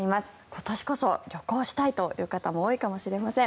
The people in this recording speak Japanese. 今年こそ旅行したいという方も多いかもしれません。